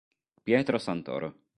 Pietro Santoro